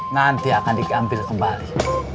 nanti akan dikambil kembali